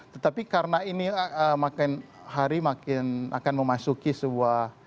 tetapi karena ini makin hari makin akan memasuki sebuah